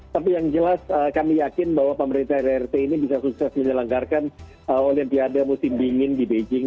tapi yang jelas kami yakin bahwa pemerintah rrt ini bisa sukses menyelenggarkan olimpiade musim dingin di beijing